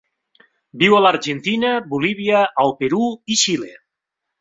Viu a l'Argentina, Bolívia, el Perú i Xile.